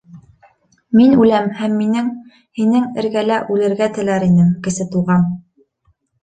Мин үләм һәм минең... һинең эргәлә үлергә теләр инем, Кесе Туған.